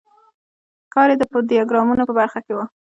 کار یې د ډیاګرامونو په برخه کې و.